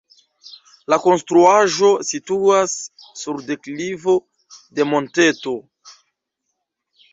La konstruaĵo situas sur deklivo de monteto.